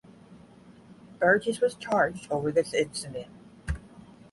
Burges was charged over this incident.